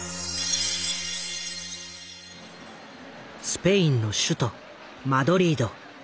スペインの首都マドリード。